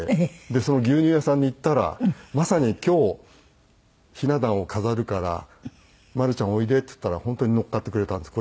でその牛乳屋さんに行ったらまさに今日雛壇を飾るから「まるちゃんおいで」って言ったら本当に乗っかってくれたんです。